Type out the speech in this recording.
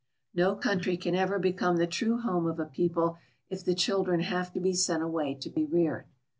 No country can ever become the true home of a people if the children have to be sent away to be reared.